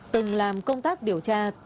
từng làm công tác điều tra